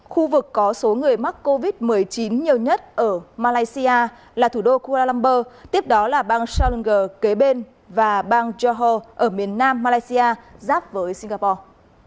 khu vực có số người mắc covid một mươi chín nhiều nhất ở malaysia là thủ đô kuala lumburg tiếp đó là bang solonger kế bên và bang johor ở miền nam malaysia giáp với singapore